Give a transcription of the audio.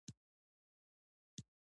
د سپـېدې وچـاودې سـهار شـو لمـر راوخـت.